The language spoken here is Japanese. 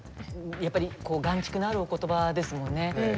やっぱり含蓄のあるお言葉ですもんね。